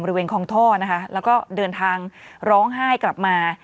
บริเวณคลองท่อนะคะแล้วก็เดินทางร้องไห้กลับมา